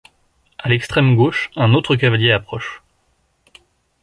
À l'extrême gauche, un autre cavalier approche.